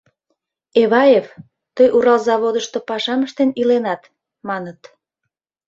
— Эваев, тый Урал заводышто пашам ыштен иленат, маныт.